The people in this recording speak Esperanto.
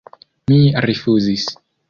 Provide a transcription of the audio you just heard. Mi rifuzis.